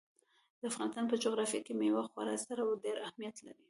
د افغانستان په جغرافیه کې مېوې خورا ستر او ډېر اهمیت لري.